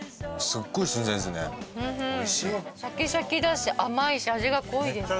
シャキシャキだし甘いし味が濃いです。